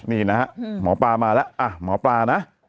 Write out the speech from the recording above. นี่นะฮะหมอปลามาแล้วหมอปลานะ